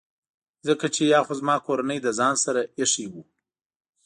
ځکه چي یا خو زما کورنۍ له ځان سره ایښي وو.